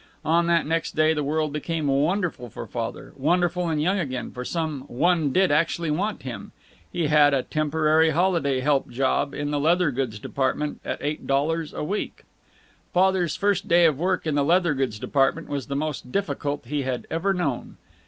On that next day the world became wonderful for Father, wonderful and young again, for some one did actually want him. He had a temporary holiday help job in the leather goods department, at eight dollars a week. Father's first day of work in the leather goods department was the most difficult he had ever known.